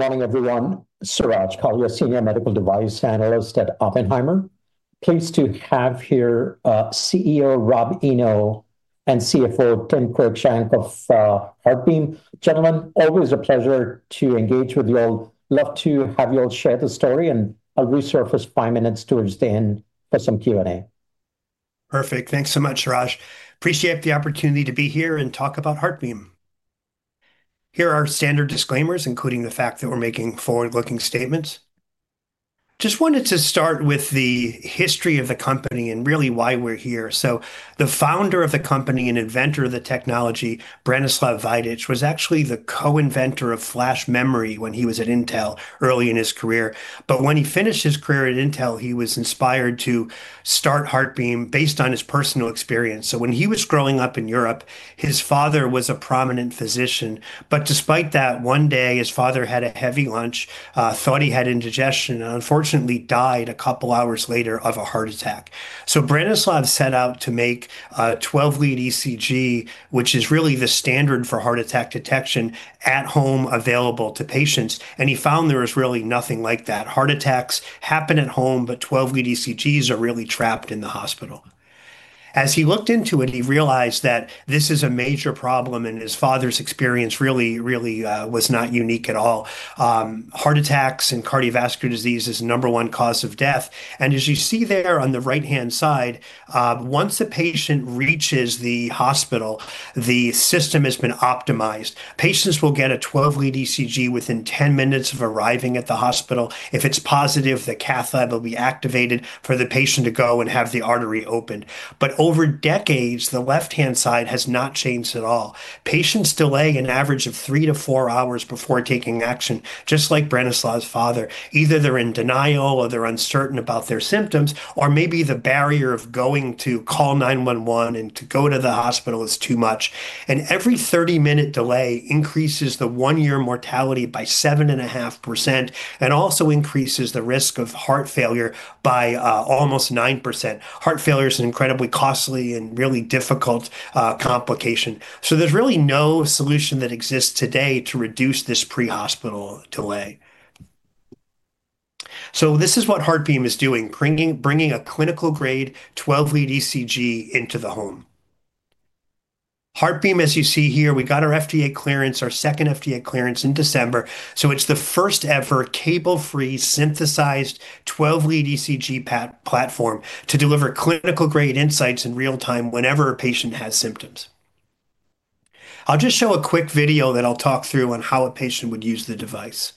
Morning, everyone. Suraj Kalia, Senior Medical Device Analyst at Oppenheimer. Pleased to have here, CEO Robert Eno and CFO Timothy Cruickshank of HeartBeam. Gentlemen, always a pleasure to engage with you all. Love to have you all share the story, and I'll reserve us five minutes towards the end for some Q&A. Perfect. Thanks so much, Suraj. Appreciate the opportunity to be here and talk about HeartBeam. Here are our standard disclaimers, including the fact that we're making forward-looking statements. Just wanted to start with the history of the company and really why we're here. The founder of the company and inventor of the technology, Branislav Vajdic, was actually the co-inventor of flash memory when he was at Intel early in his career. When he finished his career at Intel, he was inspired to start HeartBeam based on his personal experience. When he was growing up in Europe, his father was a prominent physician. Despite that, one day his father had a heavy lunch, thought he had indigestion, and unfortunately died a couple of hours later of a heart attack. Branislav set out to make a 12-lead ECG, which is really the standard for heart attack detection, at home available to patients, and he found there was really nothing like that. Heart attacks happen at home, but 12-lead ECGs are really trapped in the hospital. As he looked into it, he realized that this is a major problem, and his father's experience really was not unique at all. Heart attacks and cardiovascular disease is the number 1 cause of death. As you see there on the right-hand side, once a patient reaches the hospital, the system has been optimized. Patients will get a 12-lead ECG within 10 minutes of arriving at the hospital. If it's positive, the cath lab will be activated for the patient to go and have the artery opened. Over decades, the left-hand side has not changed at all. Patients delay an average of 3-4 hours before taking action, just like Branislav's father. Either they're in denial or they're uncertain about their symptoms, or maybe the barrier of going to call 911 and to go to the hospital is too much. Every 30-minute delay increases the one-year mortality by 7.5% and also increases the risk of heart failure by almost 9%. Heart failure is an incredibly costly and really difficult complication. There's really no solution that exists today to reduce this pre-hospital delay. This is what HeartBeam is doing, bringing a clinical-grade 12-lead ECG into the home. HeartBeam, as you see here, we got our FDA clearance, our second FDA clearance in December. It's the first-ever cable-free synthesized 12-lead ECG platform to deliver clinical-grade insights in real-time whenever a patient has symptoms. I'll just show a quick video that I'll talk through on how a patient would use the device.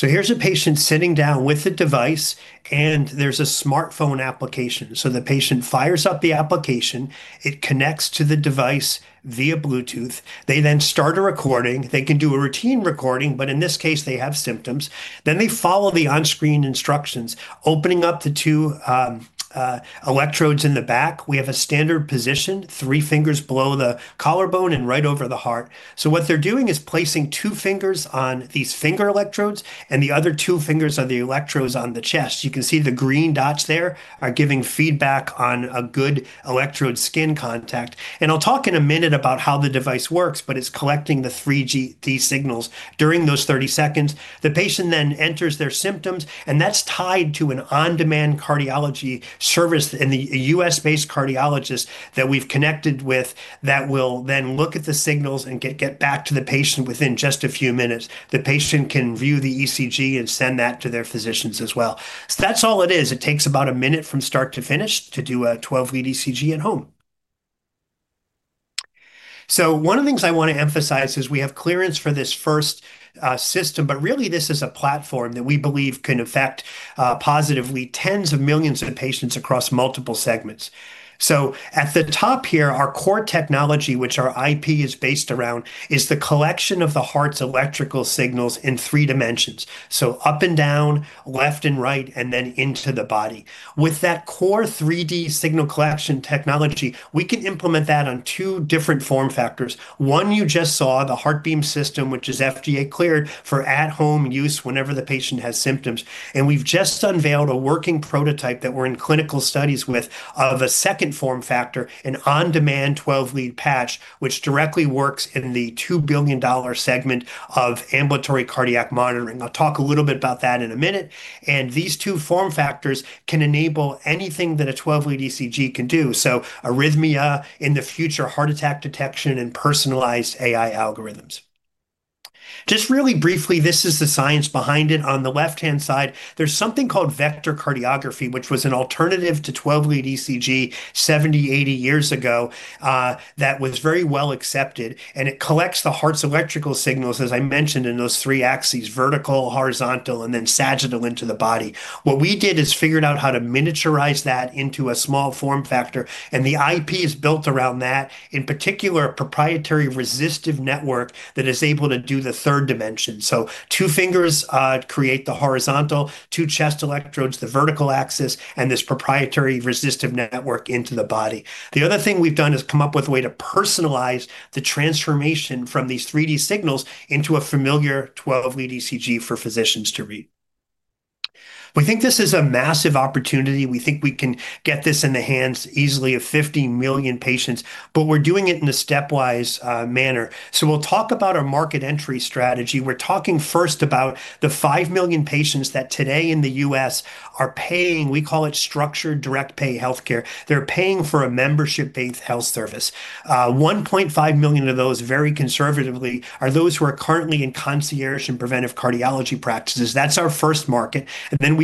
Here's a patient sitting down with the device, and there's a smartphone application. The patient fires up the application, it connects to the device via Bluetooth. They then start a recording. They can do a routine recording, but in this case, they have symptoms. They follow the on-screen instructions, opening up the two electrodes in the back. We have a standard position, three fingers below the collarbone and right over the heart. What they're doing is placing two fingers on these finger electrodes and the other two fingers on the electrodes on the chest. You can see the green dots. They're giving feedback on a good electrode skin contact. I'll talk in a minute about how the device works, but it's collecting the 3D signals during those 30 seconds. The patient then enters their symptoms, and that's tied to an on-demand cardiology service and the US-based cardiologist that we've connected with that will then look at the signals and get back to the patient within just a few minutes. The patient can view the ECG and send that to their physicians as well. That's all it is. It takes about a minute from start to finish to do a 12-lead ECG at home. One of the things I want to emphasize is we have clearance for this first system, but really, this is a platform that we believe can affect positively tens of millions of patients across multiple segments. At the top here, our core technology, which our IP is based around, is the collection of the heart's electrical signals in three dimensions. Up and down, left and right, and then into the body. With that core 3D signal collection technology, we can implement that on two different form factors. One you just saw, the HeartBeam System, which is FDA-cleared for at-home use whenever the patient has symptoms. We've just unveiled a working prototype that we're in clinical studies with of a second form factor, an on-demand 12-lead patch, which directly works in the $2 billion segment of ambulatory cardiac monitoring. I'll talk a little bit about that in a minute. These two form factors can enable anything that a 12-lead ECG can do. Arrhythmia, in the future, heart attack detection, and personalized AI algorithms. Just really briefly, this is the science behind it. On the left-hand side, there's something called vectorcardiography, which was an alternative to 12-lead ECG 70, 80 years ago, that was very well accepted, and it collects the heart's electrical signals, as I mentioned, in those three axes: vertical, horizontal, and then sagittal into the body. What we did is figured out how to miniaturize that into a small form factor, and the IP is built around that. In particular, a proprietary resistive network that is able to do the third dimension. So two fingers create the horizontal, two chest electrodes, the vertical axis, and this proprietary resistive network into the body. The other thing we've done is come up with a way to personalize the transformation from these 3D signals into a familiar 12-lead ECG for physicians to read. We think this is a massive opportunity. We think we can get this in the hands easily of 50 million patients, but we're doing it in a stepwise manner. We'll talk about our market entry strategy. We're talking first about the 5 million patients that today in the US are paying, we call it structured direct pay healthcare. They're paying for a membership-based health service. 1.5 million of those, very conservatively, are those who are currently in concierge and preventive cardiology practices. That's our first market.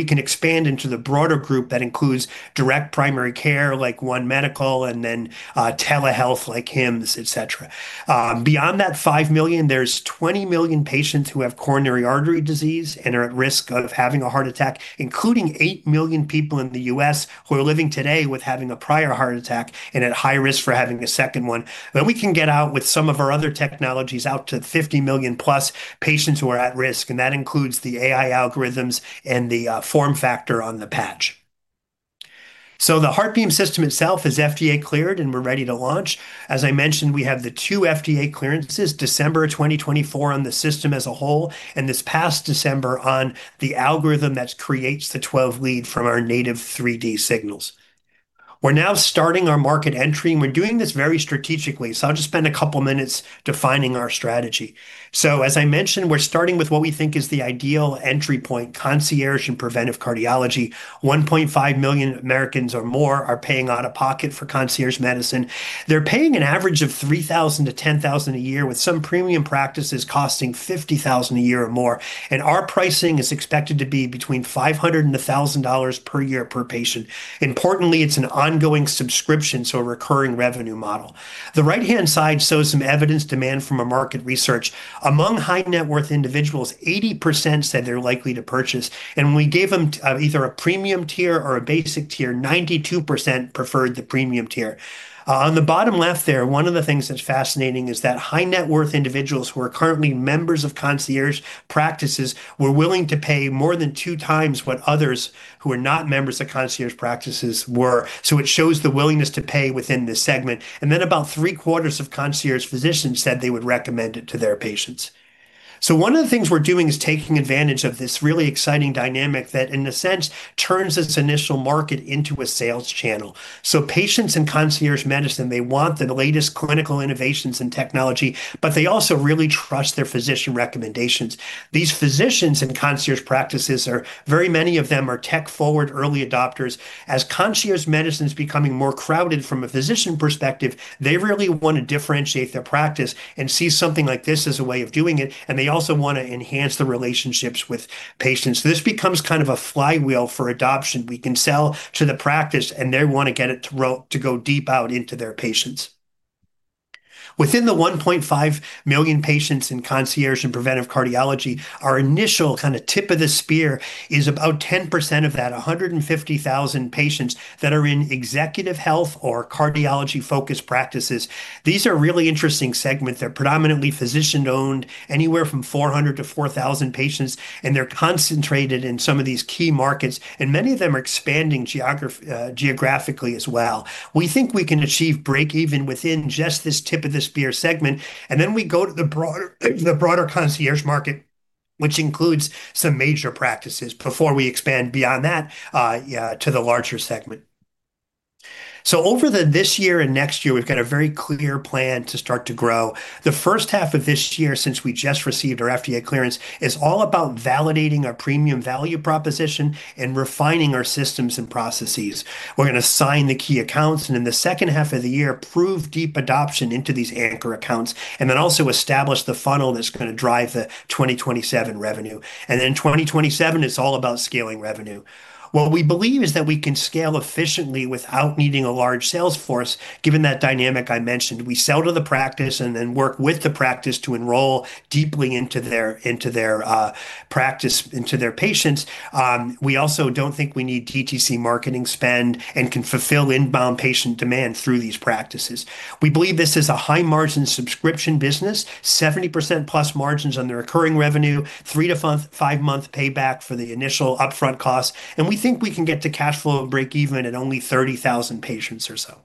We can expand into the broader group that includes direct primary care like One Medical and then, telehealth like Hims, etc. Beyond that 5 million, there's 20 million patients who have coronary artery disease and are at risk of having a heart attack, including 8 million people in the US who are living today with having a prior heart attack and at high risk for having a second one. We can get out with some of our other technologies out to 50 million plus patients who are at risk, and that includes the AI algorithms and the form factor on the patch. The HeartBeam system itself is FDA cleared, and we're ready to launch. As I mentioned, we have the two FDA clearances, December 2024 on the system as a whole, and this past December on the algorithm that creates the 12-lead from our native 3D signals. We're now starting our market entry, and we're doing this very strategically. I'll just spend a couple of minutes defining our strategy. As I mentioned, we're starting with what we think is the ideal entry point, concierge and preventive cardiology. 1.5 million Americans or more are paying out of pocket for concierge medicine. They're paying an average of $3,000-$10,000 a year, with some premium practices costing $50,000 a year or more. Our pricing is expected to be between $500-$1,000 per year per patient. Importantly, it's an ongoing subscription, so a recurring revenue model. The right-hand side shows some evidence of demand from market research. Among high net worth individuals, 80% said they're likely to purchase. We gave them either a premium tier or a basic tier. 92% preferred the premium tier. On the bottom left there, one of the things that's fascinating is that high net worth individuals who are currently members of concierge practices were willing to pay more than two times what others who are not members of concierge practices were. It shows the willingness to pay within this segment. Then about three-quarters of concierge physicians said they would recommend it to their patients. One of the things we're doing is taking advantage of this really exciting dynamic that, in a sense, turns its initial market into a sales channel. Patients in concierge medicine, they want the latest clinical innovations and technology, but they also really trust their physician recommendations. These physicians in concierge practices are, very many of them are tech-forward early adopters. As concierge medicine is becoming more crowded from a physician perspective, they really want to differentiate their practice and see something like this as a way of doing it, and they also want to enhance the relationships with patients. This becomes kind of a flywheel for adoption. We can sell to the practice, and they want to get it to go deep out into their patients. Within the 1.5 million patients in concierge and preventive cardiology, our initial kind of tip of the spear is about 10% of that, 150,000 patients that are in executive health or cardiology-focused practices. These are really interesting segments. They're predominantly physician-owned, anywhere from 400-4,000 patients, and they're concentrated in some of these key markets, and many of them are expanding geographically as well. We think we can achieve break even within just this tip of the spear segment, and then we go to the broader concierge market, which includes some major practices before we expand beyond that, to the larger segment. Over this year and next year, we've got a very clear plan to start to grow. The first half of this year, since we just received our FDA clearance, is all about validating our premium value proposition and refining our systems and processes. We're going to sign the key accounts and in the second half of the year, prove deep adoption into these anchor accounts, and then also establish the funnel that's going to drive the 2027 revenue. Then 2027 is all about scaling revenue. What we believe is that we can scale efficiently without needing a large sales force, given that dynamic I mentioned. We sell to the practice and then work with the practice to enroll deeply into their practice, into their patients. We also don't think we need DTC marketing spend and can fulfill inbound patient demand through these practices. We believe this is a high-margin subscription business, 70%+ margins on the recurring revenue, 3- to 5-month payback for the initial upfront cost. We think we can get to cash flow break even at only 30,000 patients or so.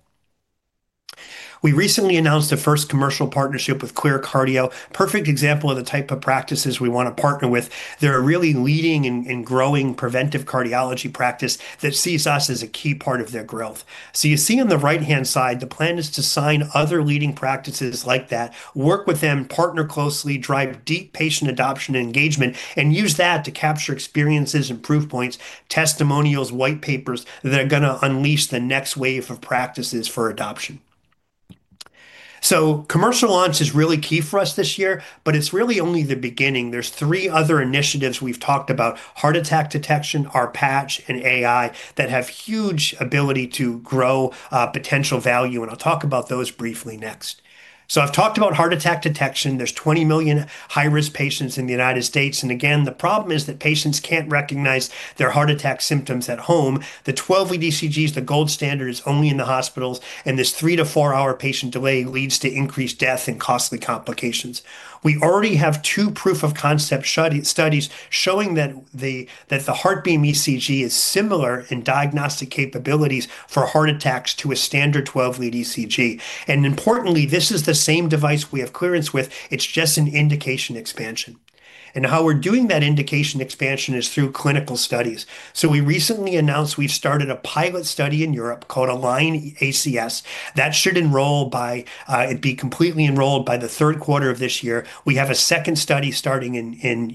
We recently announced the first commercial partnership with ClearCardio. Perfect example of the type of practices we want to partner with. They're a really leading and growing preventive cardiology practice that sees us as a key part of their growth. You see on the right-hand side, the plan is to sign other leading practices like that, work with them, partner closely, drive deep patient adoption engagement, and use that to capture experiences and proof points, testimonials, white papers that are gonna unleash the next wave of practices for adoption. Commercial launch is really key for us this year, but it's really only the beginning. There's three other initiatives we've talked about, heart attack detection, our patch, and AI, that have huge ability to grow, potential value, and I'll talk about those briefly next. I've talked about heart attack detection. There's 20 million high-risk patients in the United States, and again, the problem is that patients can't recognize their heart attack symptoms at home. The 12-lead ECG is the gold standard. It's only in the hospitals, and this 3-4-hour patient delay leads to increased death and costly complications. We already have two proof-of-concept studies showing that the HeartBeam ECG is similar in diagnostic capabilities for heart attacks to a standard 12-lead ECG. Importantly, this is the same device we have clearance with. It's just an indication expansion. How we're doing that indication expansion is through clinical studies. We recently announced we've started a pilot study in Europe called ALIGN-ACS that should be completely enrolled by the third quarter of this year. We have a second study starting in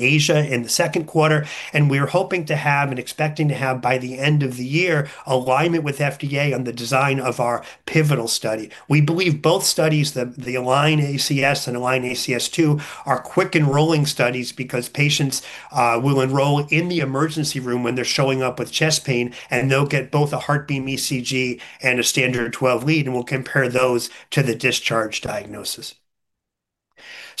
Asia in the second quarter, and we're hoping to have and expecting to have by the end of the year alignment with FDA on the design of our pivotal study. We believe both studies, the ALIGN-ACS and ALIGN-ACS II, are quick-enrolling studies because patients will enroll in the emergency room when they're showing up with chest pain, and they'll get both a HeartBeam ECG and a standard 12-lead, and we'll compare those to the discharge diagnosis.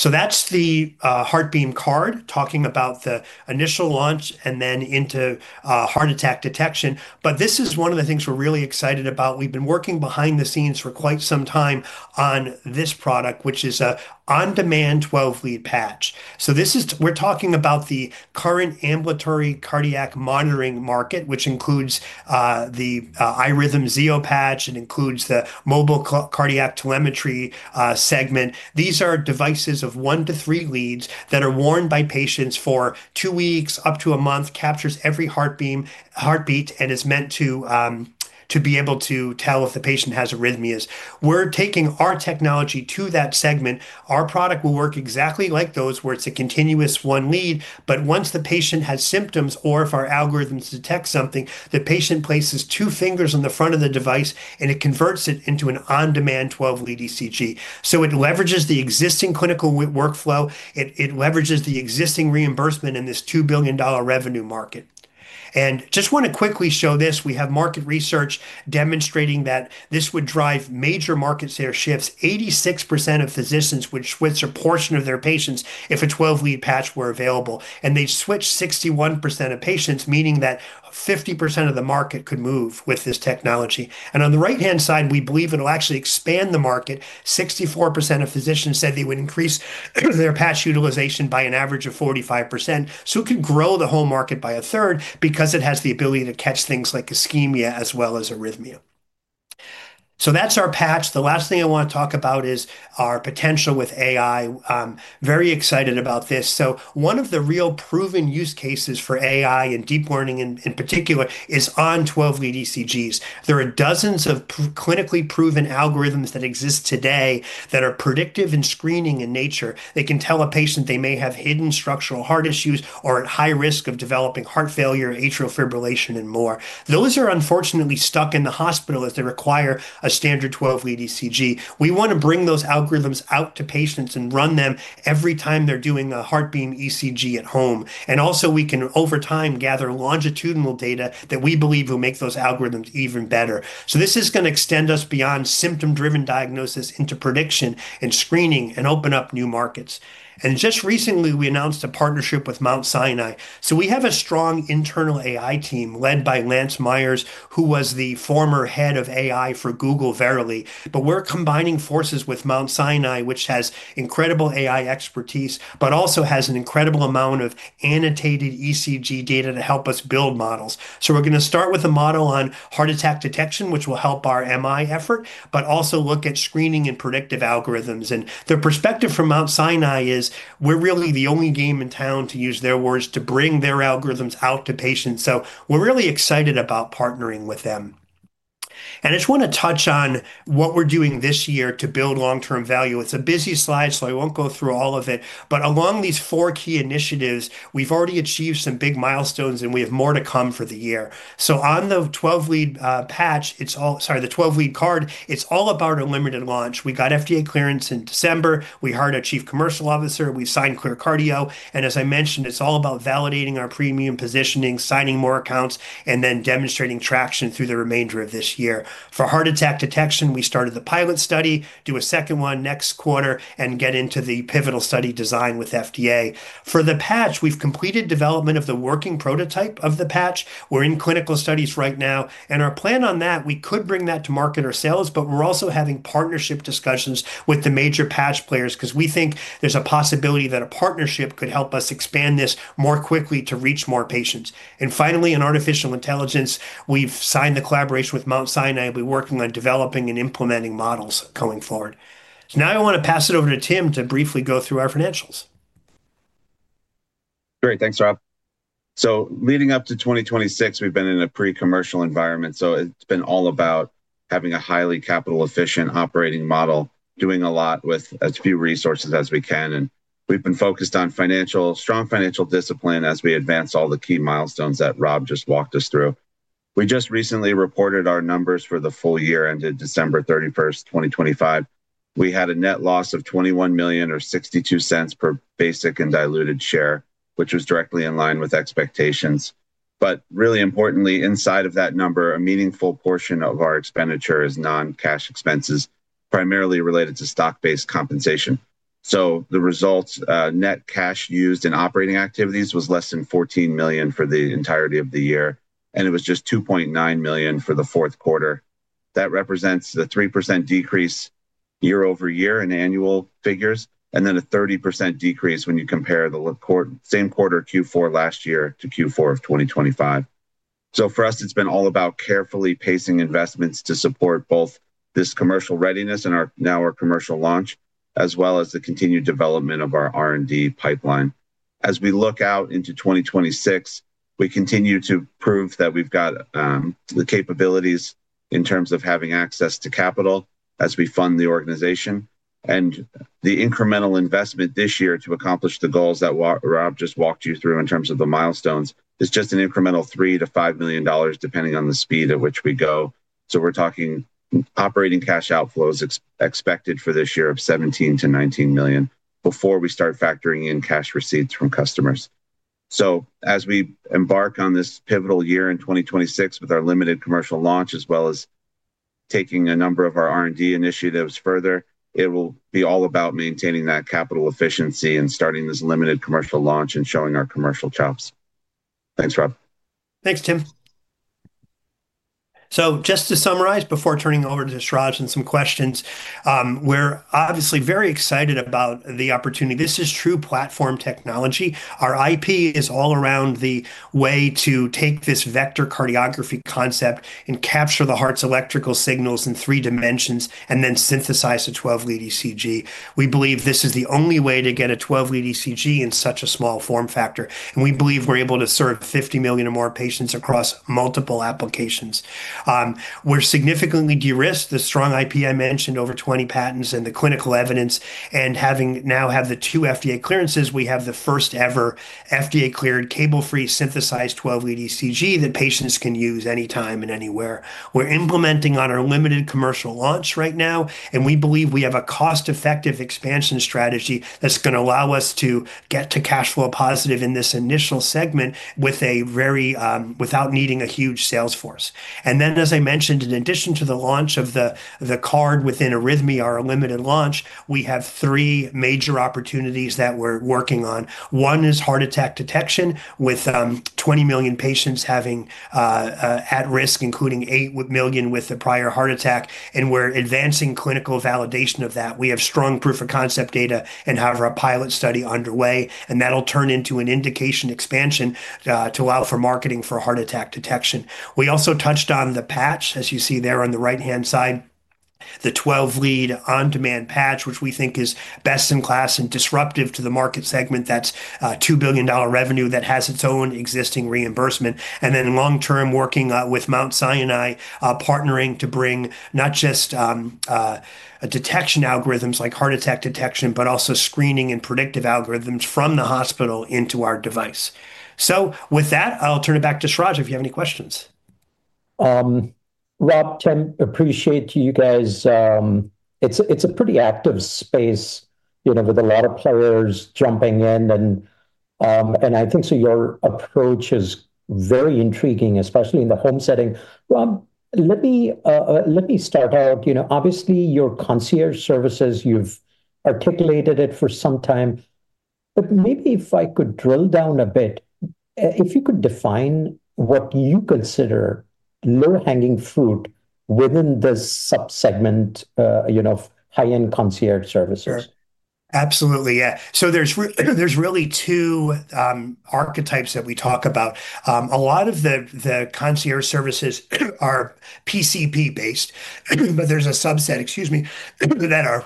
That's the HeartBeam card talking about the initial launch and then into heart attack detection. This is one of the things we're really excited about. We've been working behind the scenes for quite some time on this product, which is an on-demand 12-lead patch. This is. We're talking about the current ambulatory cardiac monitoring market, which includes the iRhythm Zio patch. It includes the mobile cardiac telemetry segment. These are devices of one to three leads that are worn by patients for two weeks up to a month, captures every heartbeat and is meant to be able to tell if the patient has arrhythmias. We're taking our technology to that segment. Our product will work exactly like those where it's a continuous one lead, but once the patient has symptoms or if our algorithms detect something, the patient places two fingers on the front of the device, and it converts it into an on-demand twelve-lead ECG. It leverages the existing clinical workflow. It leverages the existing reimbursement in this $2 billion revenue market. I just want to quickly show this. We have market research demonstrating that this would drive major market share shifts. 86% of physicians would switch a portion of their patients if a 12-lead patch were available, and they'd switch 61% of patients, meaning that 50% of the market could move with this technology. On the right-hand side, we believe it'll actually expand the market. 64% of physicians said they would increase their patch utilization by an average of 45%, so it could grow the whole market by a third because it has the ability to catch things like ischemia as well as arrhythmia. That's our patch. The last thing I wanna talk about is our potential with AI. Very excited about this. One of the real proven use cases for AI and deep learning in particular is on 12-lead ECGs. There are dozens of clinically proven algorithms that exist today that are predictive in screening in nature. They can tell a patient they may have hidden structural heart issues or at high risk of developing heart failure, atrial fibrillation, and more. Those are unfortunately stuck in the hospital as they require a standard 12-lead ECG. We wanna bring those algorithms out to patients and run them every time they're doing a HeartBeam ECG at home. Also we can, over time, gather longitudinal data that we believe will make those algorithms even better. This is gonna extend us beyond symptom-driven diagnosis into prediction and screening and open up new markets. Just recently, we announced a partnership with Mount Sinai. We have a strong internal AI team led by Lance Myers, who was the former head of AI for Verily. We're combining forces with Mount Sinai, which has incredible AI expertise, but also has an incredible amount of annotated ECG data to help us build models. We're gonna start with a model on heart attack detection, which will help our MI effort, but also look at screening and predictive algorithms. The perspective from Mount Sinai is we're really the only game in town, to use their words, to bring their algorithms out to patients. We're really excited about partnering with them. I just wanna touch on what we're doing this year to build long-term value. It's a busy slide, so I won't go through all of it. Along these four key initiatives, we've already achieved some big milestones, and we have more to come for the year. On the 12-lead patch, it's all... Sorry, the 12-lead card, it's all about a limited launch. We got FDA clearance in December. We hired a chief commercial officer. We've signed ClearCardio. As I mentioned, it's all about validating our premium positioning, signing more accounts, and then demonstrating traction through the remainder of this year. For heart attack detection, we started the pilot study, do a second one next quarter, and get into the pivotal study design with FDA. For the patch, we've completed development of the working prototype of the patch. We're in clinical studies right now. Our plan on that, we could bring that to market or sales, but we're also having partnership discussions with the major patch players because we think there's a possibility that a partnership could help us expand this more quickly to reach more patients. Finally, in artificial intelligence, we've signed the collaboration with Mount Sinai. We're working on developing and implementing models going forward. Now I wanna pass it over to Tim to briefly go through our financials. Great. Thanks, Rob. Leading up to 2026, we've been in a pre-commercial environment, so it's been all about having a highly capital-efficient operating model, doing a lot with as few resources as we can, and we've been focused on financial, strong financial discipline as we advance all the key milestones that Rob just walked us through. We just recently reported our numbers for the full year ended December 31, 2025. We had a net loss of $21 million or $0.62 per basic and diluted share, which was directly in line with expectations. Really importantly, inside of that number, a meaningful portion of our expenditure is non-cash expenses, primarily related to stock-based compensation. The results, net cash used in operating activities, was less than $14 million for the entirety of the year, and it was just $2.9 million for the fourth quarter. That represents the 3% decrease year-over-year in annual figures, and then a 30% decrease when you compare the same quarter Q4 last year to Q4 of 2025. For us, it's been all about carefully pacing investments to support both this commercial readiness and our commercial launch, as well as the continued development of our R&D pipeline. As we look out into 2026, we continue to prove that we've got the capabilities in terms of having access to capital as we fund the organization and the incremental investment this year to accomplish the goals that Rob just walked you through in terms of the milestones is just an incremental $3-$5 million, depending on the speed at which we go. We're talking operating cash outflows expected for this year of $17-$19 million before we start factoring in cash receipts from customers. As we embark on this pivotal year in 2026 with our limited commercial launch, as well as taking a number of our R&D initiatives further, it will be all about maintaining that capital efficiency and starting this limited commercial launch and showing our commercial chops. Thanks, Rob. Thanks, Tim. Just to summarize before turning it over to Suraj and some questions, we're obviously very excited about the opportunity. This is true platform technology. Our IP is all around the way to take this vectorcardiography concept and capture the heart's electrical signals in three dimensions and then synthesize the 12-lead ECG. We believe this is the only way to get a 12-lead ECG in such a small form factor, and we believe we're able to serve 50 million or more patients across multiple applications. We're significantly de-risked. The strong IP I mentioned, over 20 patents and the clinical evidence, and having the two FDA clearances, we have the first-ever FDA-cleared cable-free synthesized 12-lead ECG that patients can use anytime and anywhere. We're implementing on our limited commercial launch right now, and we believe we have a cost-effective expansion strategy that's gonna allow us to get to cash flow positive in this initial segment without needing a huge sales force. As I mentioned, in addition to the launch of the card within arrhythmia, our limited launch, we have three major opportunities that we're working on. One is heart attack detection with 20 million patients at risk, including 8 million with a prior heart attack, and we're advancing clinical validation of that. We have strong proof-of-concept data and have a pilot study underway, and that'll turn into an indication expansion to allow for marketing for heart attack detection. We also touched on the patch, as you see there on the right-hand side, the 12-lead on-demand patch, which we think is best in class and disruptive to the market segment. That's $2 billion revenue that has its own existing reimbursement. Long-term working with Mount Sinai, partnering to bring not just detection algorithms like heart attack detection, but also screening and predictive algorithms from the hospital into our device. With that, I'll turn it back to Suraj if you have any questions. Rob, Tim, appreciate you guys. It's a pretty active space, you know, with a lot of players jumping in and I think so your approach is very intriguing, especially in the home setting. Rob, let me start out. You know, obviously, your concierge services, you've articulated it for some time. Maybe if I could drill down a bit, if you could define what you consider low-hanging fruit within this sub-segment, you know, of high-end concierge services. Absolutely. Yeah. There's really two archetypes that we talk about. A lot of the concierge services are PCP-based, but there's a subset that are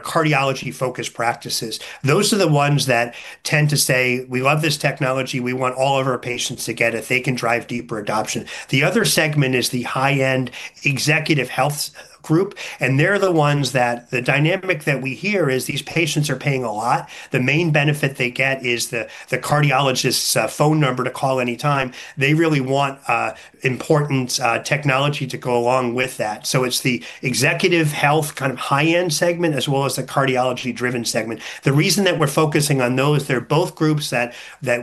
cardiology-focused practices. Those are the ones that tend to say, "We love this technology. We want all of our patients to get it." They can drive deeper adoption. The other segment is the high-end executive health group, and they're the ones that the dynamic that we hear is these patients are paying a lot. The main benefit they get is the cardiologist's phone number to call anytime. They really want important technology to go along with that. It's the executive health kind of high-end segment as well as the cardiology-driven segment. The reason that we're focusing on those, they're both groups that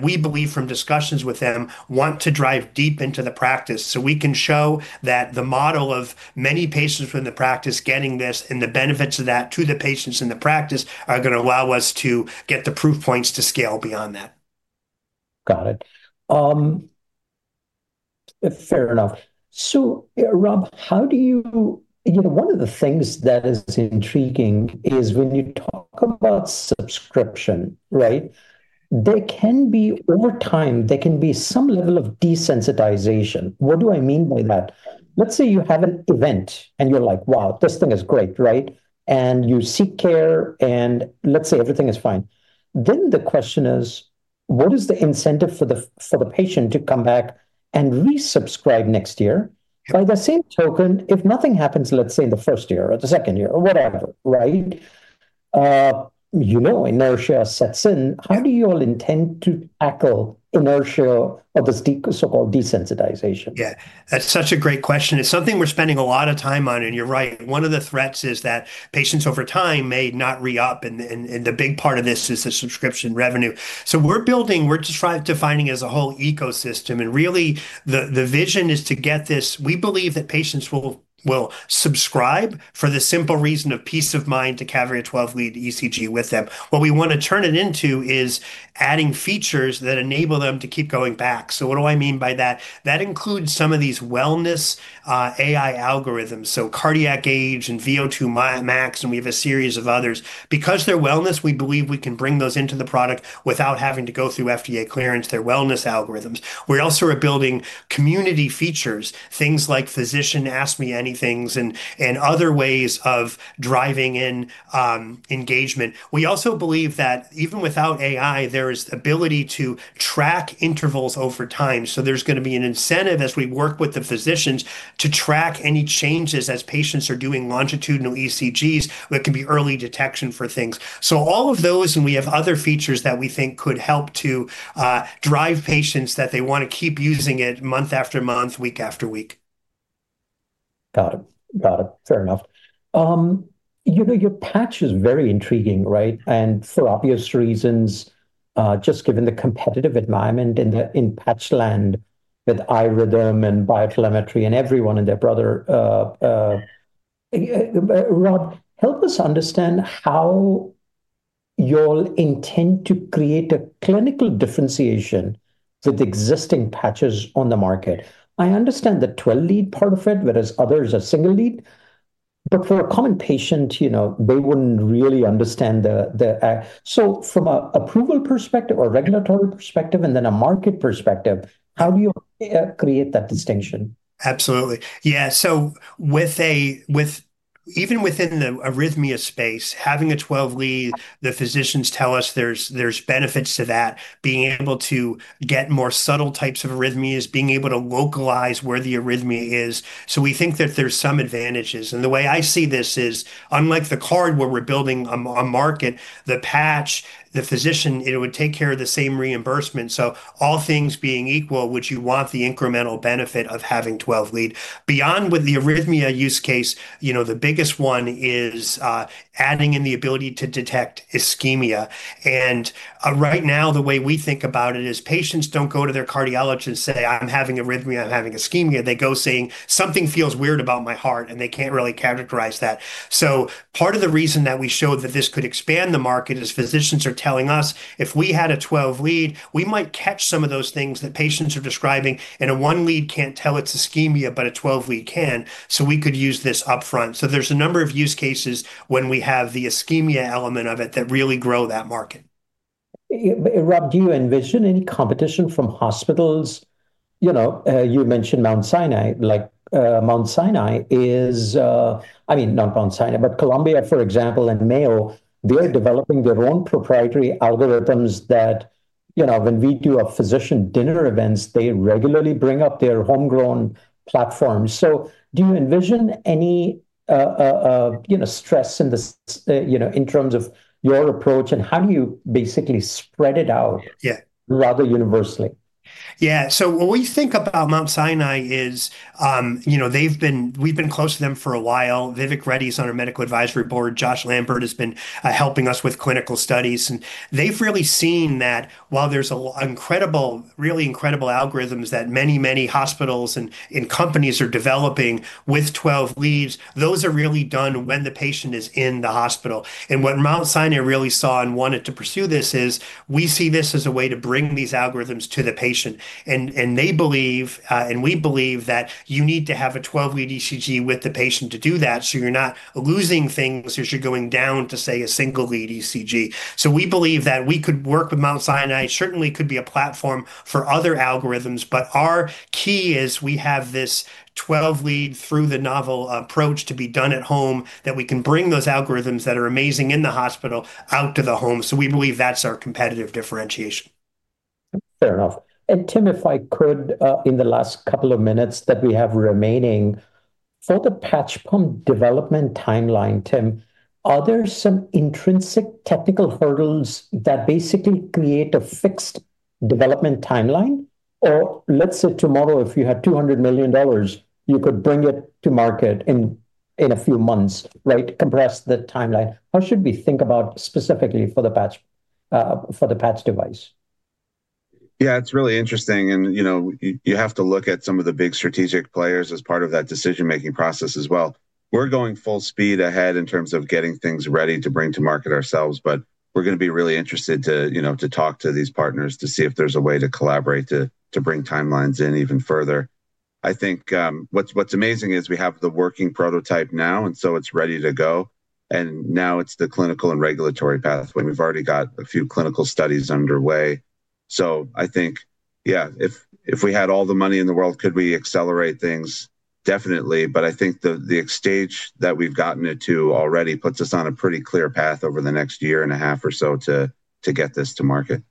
we believe from discussions with them want to drive deep into the practice so we can show that the model of many patients from the practice getting this and the benefits of that to the patients in the practice are gonna allow us to get the proof points to scale beyond that. Got it. Fair enough. Rob, how do you? You know, one of the things that is intriguing is when you talk about subscription, right? There can be over time, there can be some level of desensitization. What do I mean by that? Let's say you have an event, and you're like, "Wow, this thing is great," right? You seek care, and let's say everything is fine. The question is, what is the incentive for the patient to come back and resubscribe next year? By the same token, if nothing happens, let's say in the first year or the second year or whatever, right? You know inertia sets in. How do you all intend to tackle inertia of this so-called desensitization? Yeah. That's such a great question. It's something we're spending a lot of time on, and you're right. One of the threats is that patients over time may not re-up, and the big part of this is the subscription revenue. We're building. We're just trying to define as a whole ecosystem, and really the vision is to get this. We believe that patients will subscribe for the simple reason of peace of mind to carry a 12-lead ECG with them. What we wanna turn it into is adding features that enable them to keep going back. What do I mean by that? That includes some of these wellness AI algorithms, so cardiac age and VO2 max, and we have a series of others. Because they're wellness, we believe we can bring those into the product without having to go through FDA clearance. They're wellness algorithms. We also are building community features, things like physician ask me anythings and other ways of driving in engagement. We also believe that even without AI, there is ability to track intervals over time. There's gonna be an incentive as we work with the physicians to track any changes as patients are doing longitudinal ECGs that can be early detection for things. All of those, and we have other features that we think could help to drive patients that they wanna keep using it month after month, week after week. Got it. Fair enough. You know, your patch is very intriguing, right? For obvious reasons, just given the competitive environment in the patch land with iRhythm and BioTelemetry and everyone and their brother. Rob, help us understand how you all intend to create a clinical differentiation with existing patches on the market. I understand the 12-lead part of it, whereas others are single lead. For a common patient, you know, they wouldn't really understand the. From an approval perspective or regulatory perspective, and then a market perspective, how do you create that distinction? Absolutely. Yeah. Even within the arrhythmia space, having a 12-lead, the physicians tell us there's benefits to that, being able to get more subtle types of arrhythmias, being able to localize where the arrhythmia is. We think that there's some advantages. The way I see this is, unlike the card where we're building a market, the patch, the physician, it would take care of the same reimbursement. All things being equal, would you want the incremental benefit of having 12-lead? Beyond with the arrhythmia use case, you know, the biggest one is, adding in the ability to detect ischemia. Right now the way we think about it is patients don't go to their cardiologist say, "I'm having arrhythmia, I'm having ischemia." They go saying, "Something feels weird about my heart," and they can't really characterize that. Part of the reason that we showed that this could expand the market is physicians are telling us, "If we had a 12-lead, we might catch some of those things that patients are describing, and a one-lead can't tell it's ischemia, but a 12-lead can, so we could use this upfront." There's a number of use cases when we have the ischemia element of it that really grow that market. Rob, do you envision any competition from hospitals? You know, you mentioned Mount Sinai. Like, I mean, not Mount Sinai, but Columbia, for example, and Mayo. They're developing their own proprietary algorithms that, you know, when we do physician dinner events, they regularly bring up their homegrown platforms. Do you envision any, you know, stress in this, you know, in terms of your approach, and how do you basically spread it out? Yeah Rather universally? Yeah. When we think about Mount Sinai, you know, we've been close to them for a while. Vivek Reddy is on our medical advisory board. Joshua L. Lampert has been helping us with clinical studies. They've really seen that while there's really incredible algorithms that many, many hospitals and companies are developing with 12 leads, those are really done when the patient is in the hospital. What Mount Sinai really saw and wanted to pursue this is, we see this as a way to bring these algorithms to the patient. They believe, and we believe that you need to have a 12-lead ECG with the patient to do that, so you're not losing things as you're going down to, say, a single lead ECG. We believe that we could work with Mount Sinai. Certainly could be a platform for other algorithms. Our key is we have this 12-lead through the novel approach to be done at home, that we can bring those algorithms that are amazing in the hospital out to the home. We believe that's our competitive differentiation. Fair enough. Tim, if I could in the last couple of minutes that we have remaining. For the patch pump development timeline, Tim, are there some intrinsic technical hurdles that basically create a fixed development timeline? Or let's say tomorrow if you had $200 million, you could bring it to market in a few months, right? Compress the timeline. How should we think about specifically for the patch for the patch device? Yeah, it's really interesting and, you know, you have to look at some of the big strategic players as part of that decision-making process as well. We're going full speed ahead in terms of getting things ready to bring to market ourselves, but we're gonna be really interested to, you know, to talk to these partners to see if there's a way to collaborate to bring timelines in even further. I think, what's amazing is we have the working prototype now, and so it's ready to go, and now it's the clinical and regulatory pathway, and we've already got a few clinical studies underway. I think, yeah, if we had all the money in the world, could we accelerate things? Definitely. I think the stage that we've gotten it to already puts us on a pretty clear path over the next year and a half or so to get this to market.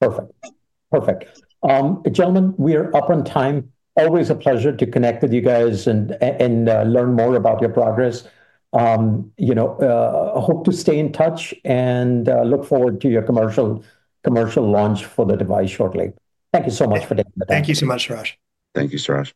Perfect. Gentlemen, we are up on time. Always a pleasure to connect with you guys and learn more about your progress. You know, hope to stay in touch and look forward to your commercial launch for the device shortly. Thank you so much for taking the time. Thank you so much, Suraj. Thank you, Suraj.